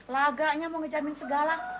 laganya mau ngejamin segala